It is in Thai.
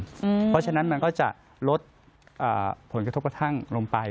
เพราะฉะนั้นมันก็จะลดผลกระทบกระทั่งลงไป